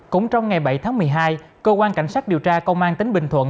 cũng trong ngày bảy tháng một mươi hai cơ quan cảnh sát điều tra công an tỉnh bình thuận